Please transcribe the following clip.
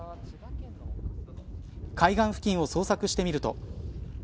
海岸付近を捜索してみると。